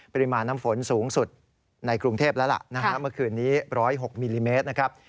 ปริมาณน้ำฝนสูงสุดในกรุงเทพแล้วล่ะนะฮะเมื่อคืนนี้๑๐๖มิลลิเมตรนะครับ